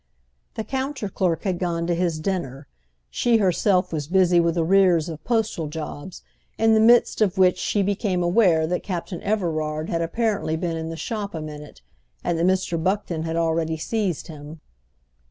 The counter clerk had gone to his dinner; she herself was busy with arrears of postal jobs, in the midst of which she became aware that Captain Everard had apparently been in the shop a minute and that Mr. Buckton had already seized him.